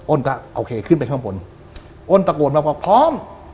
ก็โอเคขึ้นไปข้างบนอ้นตะโกนมาบอกพร้อม